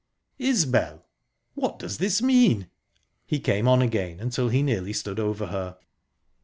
"Isbel! What does this mean?..." He came on again until he nearly stood over her.